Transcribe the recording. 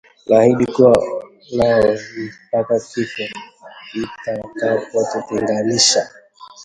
Naahidi kuwa nawe mpaka kifo kitakapotutenganisha!”